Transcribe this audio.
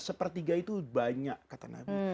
sepertiga itu banyak kata nabi